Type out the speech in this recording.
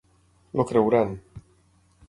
El creuran.